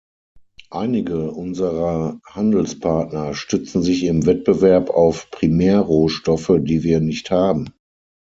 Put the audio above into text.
Einige unserer Handelspartner stützen sich im Wettbewerb auf Primärrohstoffe, die wir nicht haben.